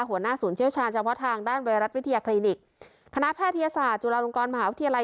หัวหน้าศูนย์เชี่ยวชาญเฉพาะทางด้านไวรัสวิทยาคลินิกคณะแพทยศาสตร์จุฬาลงกรมหาวิทยาลัย